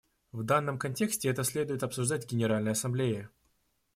В данном контексте это следует обсуждать в Генеральной Ассамблее.